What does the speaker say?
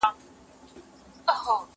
که وخت وي، لوبه کوم!